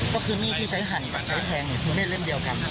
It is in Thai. ก็คือมีดที่ใช้หั่นกับใช้แทงคือมีดเล่มเดียวกัน